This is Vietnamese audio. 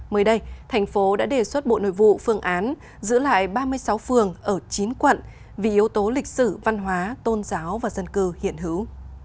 mới đây thành phố đã đề xuất bộ nội vụ phương án giữ lại ba mươi sáu phường ở chín quận vì yếu tố lịch sử văn hóa tôn giáo và dân cư hiện hữu